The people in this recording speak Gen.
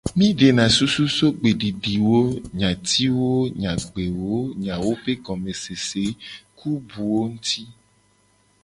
Mi dena susu so gbedidiwo, nyatiwo nyagbewo, nyawo be gomesese, ku buwo nguti.